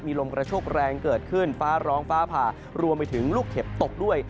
มีลมกระโชคแรงเกิดขึ้นฟ้าร้องฟ้าผ่ารวมไปถึงลูกเห็บตกด้วย